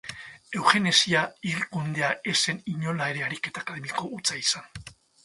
Eugenesia higikundea ez zen inola ere ariketa akademiko hutsa izan.